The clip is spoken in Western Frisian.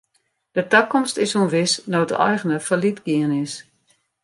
De takomst is ûnwis no't de eigener fallyt gien is.